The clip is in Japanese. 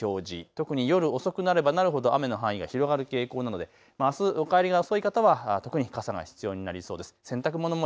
青い表示、特に夜遅くなればなるほど雨の範囲が広がる傾向なのであす、お帰りが遅い方は特に傘が必要になりそうです。